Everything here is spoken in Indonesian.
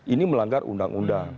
ini melanggar undang undang